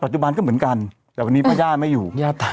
จุบันก็เหมือนกันแต่วันนี้พระย่าไม่อยู่